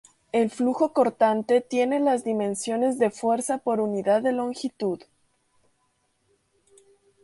El flujo cortante tiene las dimensiones de fuerza por unidad de longitud.